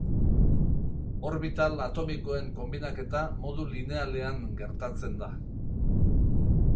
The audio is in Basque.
Orbital atomikoen konbinaketa modu linealean gertatzen da.